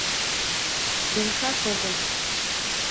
Йомшаш огыл...»